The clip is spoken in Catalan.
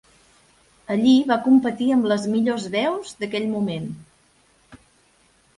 Allí va competir amb les millors veus d'aquell moment.